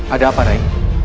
ada apa rai